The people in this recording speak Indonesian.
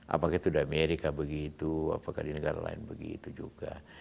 apakah itu di amerika begitu apakah di negara lain begitu juga